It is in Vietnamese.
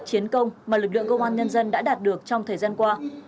chiến công mà lực lượng công an nhân dân đã đạt được trong thời gian qua